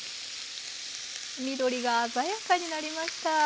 緑が鮮やかになりました。